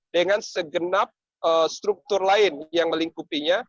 dengan segenap struktur lain yang melingkupinya